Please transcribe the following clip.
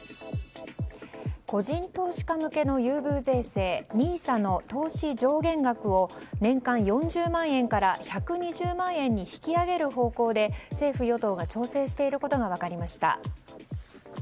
個人投資家向けの優遇税制ＮＩＳＡの投資上限額を年間４０万円から１２０万円に引き上げる方向で政府・与党が調整していることが分かりました。